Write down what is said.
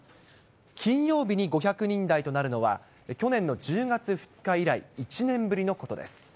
金曜日に５００人台となるのは、去年の１０月２日以来、１年ぶりのことです。